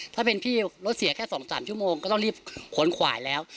ถ้าเป็นพี่รถเสียแค่๒๓ชั่วโมงก็ต้องรีบขนขวายแล้ว